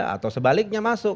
atau sebaliknya masuk